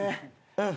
うん。